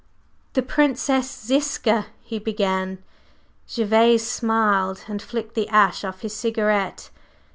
"The Princess Ziska," he began, Gervase smiled, and flicked the ash off his cigarette.